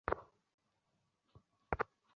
আমার নয়, তোমার পৃথিবীটা ছমছম।